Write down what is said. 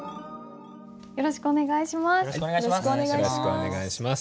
よろしくお願いします。